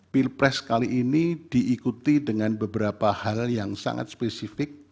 pilpres kali ini diikuti dengan beberapa hal yang sangat spesifik